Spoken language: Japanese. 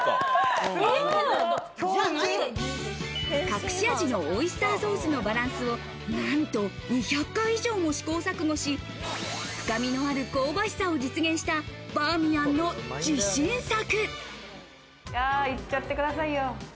隠し味のオイスターソースのバランスをなんと２００回以上も試行錯誤し、深みのある香ばしさを実現したバーミヤンの自信作。